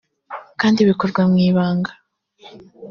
kandi bikorwa mu ibanga